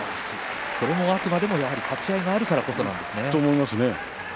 それはやはり鋭い立ち合いがあるからこそなんですね。